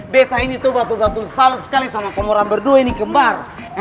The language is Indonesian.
beta ini tuh batul batul salah sekali sama pemeran berdua ini kembar